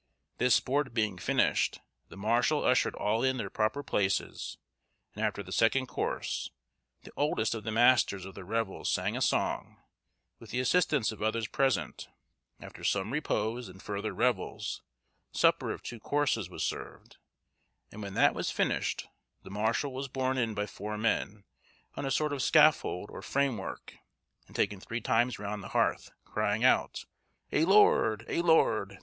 This sport being finished, the marshal ushered all in their proper places, and after the second course, the oldest of the masters of the revels sang a song, with the assistance of others present; after some repose and further revels, supper of two courses was served, and when that was finished, the marshal was borne in by four men, on a sort of scaffold or framework, and taken three times round the hearth, crying out, "A lord, a lord," &c.